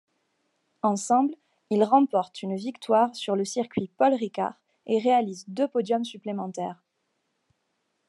Ensemble, ils remportent une victoire sur le circuit Paul-Ricard et réalisent deux podiums supplémentaires.